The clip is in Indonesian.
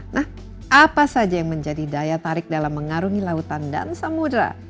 nah apa saja yang menjadi daya tarik dalam mengarungi lautan dan samudera